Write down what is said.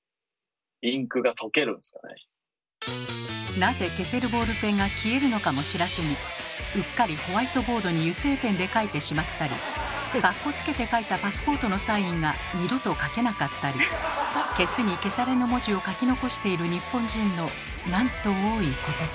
なぜ消せるボールペンが消えるのかも知らずにうっかりホワイトボードに油性ペンで書いてしまったりかっこつけて書いたパスポートのサインが二度と書けなかったり消すに消されぬ文字を書き残している日本人のなんと多いことか。